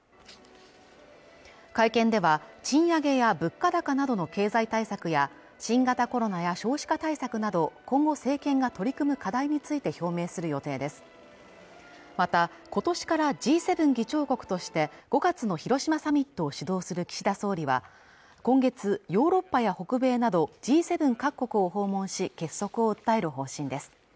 会見では賃上げや物価高などの経済対策や新型コロナや少子化対策など今後政権が取り組む課題について表明する予定ですまた今年からＧ７議長国として５月の広島サミットを主導する岸田総理は今月ヨーロッパや北米などＧ７各国を訪問し結束を訴える方針です